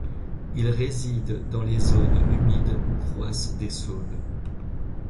Il réside dans les zones humides où croissent des saules.